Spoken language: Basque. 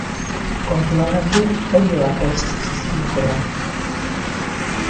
Kontuan hartu oiloak ohostu zizkietela.